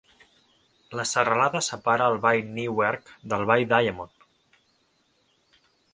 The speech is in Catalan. La serralada separa el vall Newark del vall Diamond.